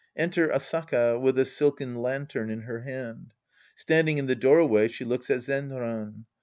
Enter AsAKA, with a silken lantern in her hand. Standing in the doorway, she looks at Zenran.